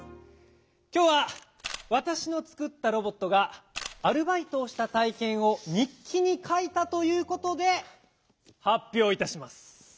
きょうはわたしのつくったロボットがアルバイトをしたたいけんを日記にかいたということで発表いたします。